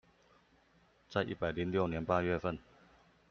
在一百零六年八月份